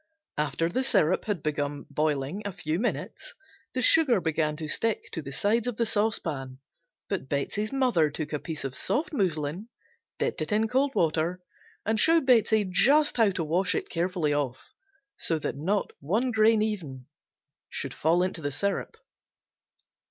After the syrup had been boiling a few minutes the sugar began to stick to the sides of the saucepan, but Betsey's mother took a piece of soft muslin, dipped it in cold water and showed Betsey just how to wash it carefully off so that not one grain, even, should fall into the syrup.